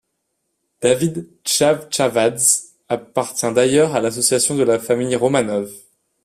David Chavchavadze appartient d’ailleurs à l’Association de la famille Romanov.